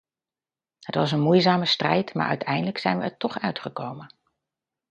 Het was een moeizame strijd, maar uiteindelijk zijn we er toch uitgekomen.